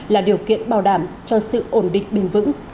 là điều kiện bảo đảm cho sự ổn định bền vững